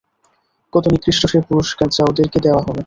কত নিকৃষ্ট সে পুরস্কার—যা ওদেরকে দেওয়া হবে।